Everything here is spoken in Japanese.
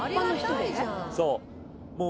そう。